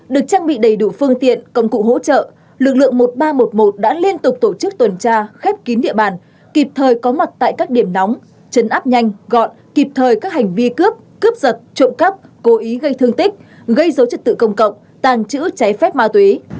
được trang bị đầy đủ phương tiện công cụ hỗ trợ lực lượng một nghìn ba trăm một mươi một đã liên tục tổ chức tuần tra khép kín địa bàn kịp thời có mặt tại các điểm nóng chấn áp nhanh gọn kịp thời các hành vi cướp cướp giật trộm cắp cố ý gây thương tích gây dối trật tự công cộng tàn trữ cháy phép ma túy